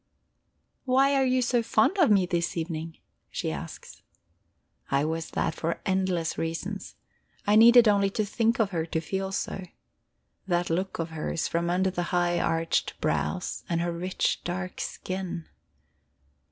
"Why are you so fond of me this evening?" she asks. I was that for endless reasons; I needed only to think of her to feel so. That look of hers, from under the high arched brows, and her rich, dark skin!